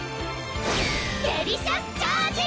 デリシャスチャージ！